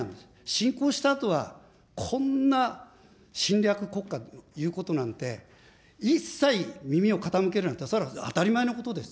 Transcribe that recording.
侵攻したあとはこんな侵略国家の言うことなんて、一切耳を傾けるなんて、それは当たり前のことです。